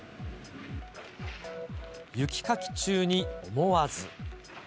雪かき中に思わず。